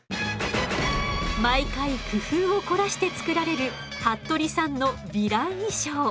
毎回工夫を凝らして作られる服部さんのヴィラン衣装。